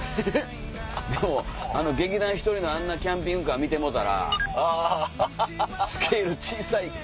でも劇団ひとりのあんなキャンピングカー見てもうたらスケール小さい。